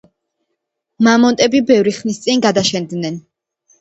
მამონტები ბევრი ხნის წინ გადაშენდნენ